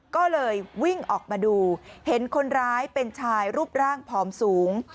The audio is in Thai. ก็เลยวิ่งออกมาดูเห็นคนร้ายเป็นชายรูปร่างผอมสูง